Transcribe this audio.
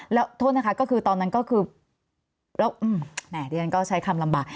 แล้วโทษนะคะคือตอนนั้นคือเดี๋ยวนั้นก็ใช้คำลำบาก